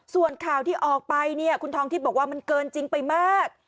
ส่วนข่าวที่ออกไปเนี่ยคุณทองทิพย์บอกว่ามันเกินจริงไปมาก